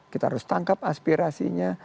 kita harus tangkap aspirasinya